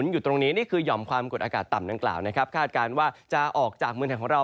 อยู่ตรงนี้นี่คือหย่อมความกดอากาศต่ำดังกล่าวนะครับคาดการณ์ว่าจะออกจากเมืองไทยของเรา